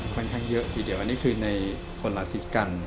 ค่อนข้างเยอะอีกเดียวอันนี้คือในพลอสิกรรม